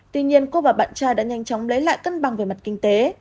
tuy nhiên cô và bạn trai đã nhanh chóng lấy lại cân bằng về mặt kinh tế